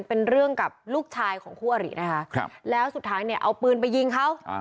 เป็นเรื่องกับลูกชายของคู่อรินะคะครับแล้วสุดท้ายเนี่ยเอาปืนไปยิงเขา